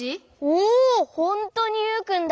おほんとにユウくんだ。